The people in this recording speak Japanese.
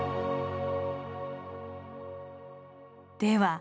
では